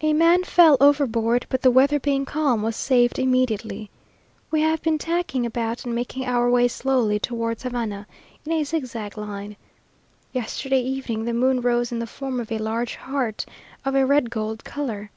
A man fell overboard, but the weather being calm, was saved immediately. We have been tacking about and making our way slowly towards Havana, in a zigzag line. Yesterday evening the moon rose in the form of a large heart, of a red gold colour.